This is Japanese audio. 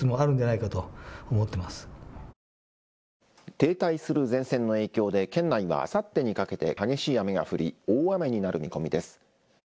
停滞する前線の影響で県内はあさってにかけて激しい雨が降り大雨になる見込みです。